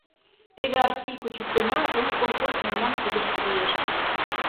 Теве Арсий кучыктена, уло колхоз мемнам кидыште лиеш.